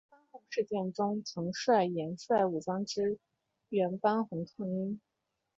班洪事件中曾率岩帅武装支援班洪抗英。